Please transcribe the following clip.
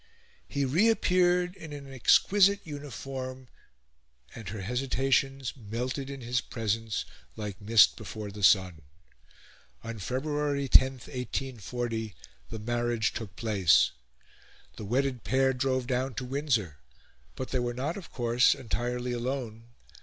He reappeared, in an exquisite uniform, and her hesitations melted in his presence like mist before the sun. On February 10, 1840, the marriage took place. The wedded pair drove down to Windsor; but they were not, of course, entirely alone.